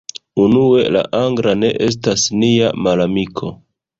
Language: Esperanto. Unue, la angla ne estas nia malamiko.